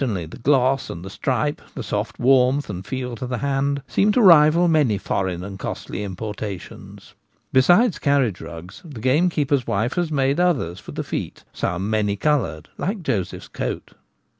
Certainly the gloss and stripe, the soft warmth and feel to the hand, seem to rival many foreign and costly importations. Besides carriage rugs, the game keeper's wife has made others for the feet — some many coloured, like Joseph's coat.